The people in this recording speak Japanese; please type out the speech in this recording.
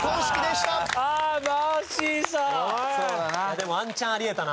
でもワンチャンあり得たな。